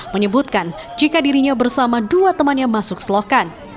menyebutkan jika dirinya bersama dua temannya masuk selokan